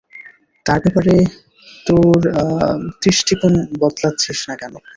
তার ব্যাপারে তোর দৃষ্টিকোণ বদলাচ্ছিস না কেন?